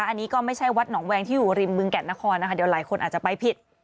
อันนี้ก็ไม่ใช่วัดหนองแวงที่อยู่ริมบึงแก่นนครนะคะเดี๋ยวหลายคนอาจจะไปผิด